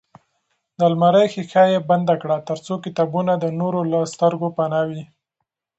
د المارۍ ښیښه یې بنده کړه ترڅو کتابونه د نورو له سترګو پناه وي.